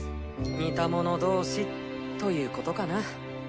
似たもの同士ということかな。